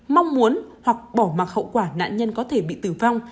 mong muốn hoặc bỏ mặc hậu quả nạn nhân có thể bị tử vong